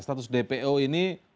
status dpo ini pengertiannya apa